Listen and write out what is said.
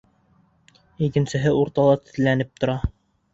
Икенсеһе уртала теҙләнеп тора.